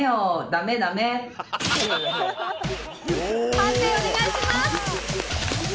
判定、お願いします。